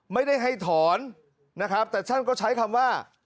ไม่ได้ให้ถอนนะครับแต่ท่านก็ใช้คำว่า